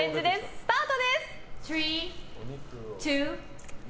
スタートです。